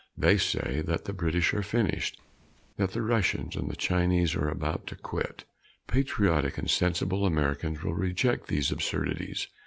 They say that the British are finished that the Russians and the Chinese are about to quit. Patriotic and sensible Americans will reject these absurdities.